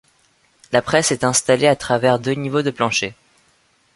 La presse est installée à travers deux niveaux de plancher.